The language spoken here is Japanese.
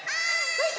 はい！